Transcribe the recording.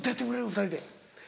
２人で。